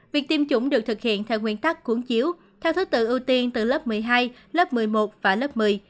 việc tiêm chủng được thực hiện theo nguyên tắc cuốn chiếu theo thứ tự ưu tiên từ lớp một mươi hai lớp một mươi một và lớp một mươi